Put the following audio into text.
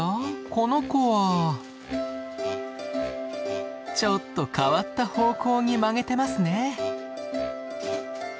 この子はちょっと変わった方向に曲げてますね。